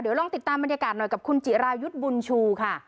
ลองติดตามบรรยากาศหน่อยกับคุณจิรายุทธ์บุญชูค่ะ